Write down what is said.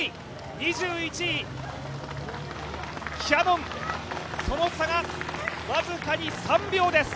２１位、キヤノンその差が僅かに３秒です。